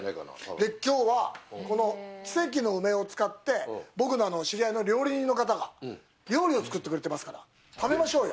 で、きょうは、この「奇跡の梅」を使って、僕の知り合いの料理人の方が料理を作ってくれてますから、食べましょうよ。